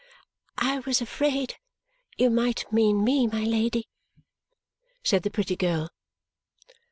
"I was afraid you might mean me, my Lady," said the pretty girl.